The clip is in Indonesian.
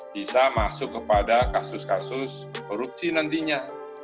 bisa masuk kepada kasus kasus korupsi nantinya